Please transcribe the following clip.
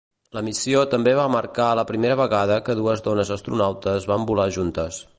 La missió també va marcar la primera vegada que dues dones astronautes van volar juntes.